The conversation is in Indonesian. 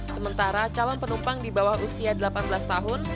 sementara calon penumpang di bawah usia delapan belas tahun